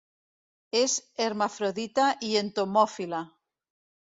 És hermafrodita i entomòfila.